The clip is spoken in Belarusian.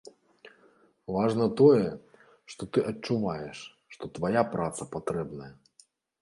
Важна тое, што ты адчуваеш, што твая праца патрэбная.